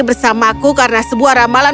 bersamaku karena sebuah ramalan